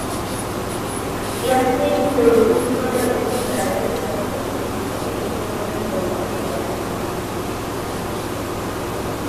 Yasmin Krul দ্বিতীয়বার অতিথি গায়ক এবং যন্ত্রশিল্পী হিসেবে এই প্রকল্পের জন্য ফিরে আসেন।